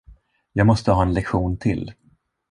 Jag måste ha en lektion till.